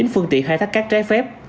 chín phương tiện khai thác cát trái phép